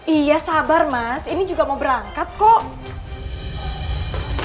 iya sabar mas ini juga mau berangkat kok